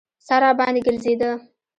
سر راباندې ګرځېده.